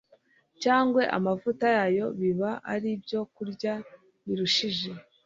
cyangwa amavuta yayo, biba ari ibyokurya birushije